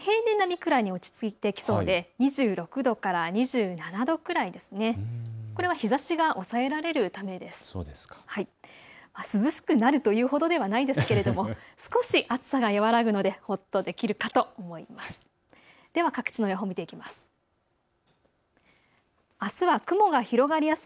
涼しくなるというほどではないですけれども、少し暑さが和らぐのでほっとできるかと思います。